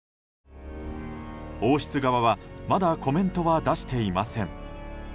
王室側はまだコメントは出していません。